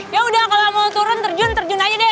yaudah kalo mau turun terjun terjun aja deh